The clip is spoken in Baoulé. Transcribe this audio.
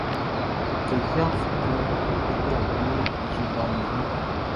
Kɛ wiaʼn fíteʼn, be tra jue nzue baʼn nun.